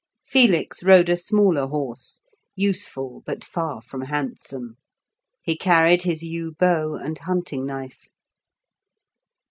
Felix rode a smaller horse, useful, but far from handsome. He carried his yew bow and hunting knife.